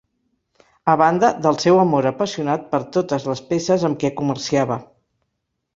A banda del seu amor apassionat per totes les peces amb què comerciava.